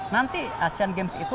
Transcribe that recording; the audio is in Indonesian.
nanti asian games itu